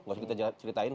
nggak usah kita ceritain